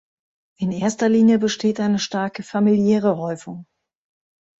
In erster Linie besteht eine starke familiäre Häufung.